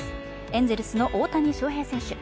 エンゼルスの大谷翔平選手。